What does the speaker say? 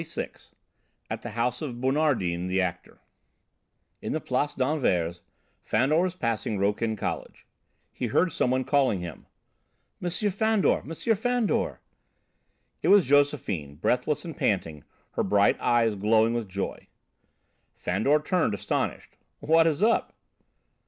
XXVI AT THE HOUSE OF BONARDIN, THE ACTOR In the Place d'Anvers, Fandor was passing Rokin College. He heard some one calling him. "Monsieur Fandor! Monsieur Fandor!" It was Josephine, breathless and panting, her bright eyes glowing with joy. Fandor turned, astonished. "What is up?"